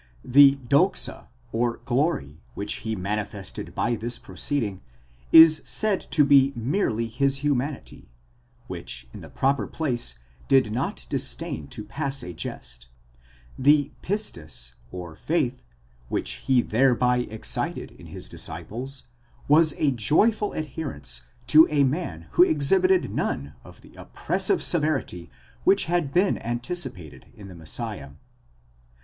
The δόξα (glory) which he manifested by this proceeding, is said to be merely his humanity, which in the proper place did not disdain to pass a jest ; the πίστις, { faith) which he thereby excited in his disciples, was a joyful adherence to a man who exhibited none of the oppressive severity which had been antici pated in the Messiah.